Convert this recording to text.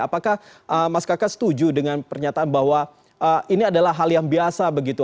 apakah mas kakak setuju dengan pernyataan bahwa ini adalah hal yang biasa begitu